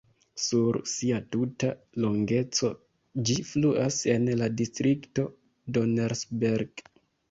Sur sia tuta longeco ĝi fluas en la distrikto Donnersberg.